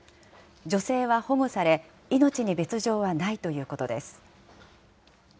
女性は保護され、命に別状はないということです。